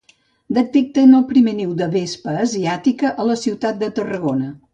Detecten el primer niu de vespa asiàtica a la ciutat de Tarragona.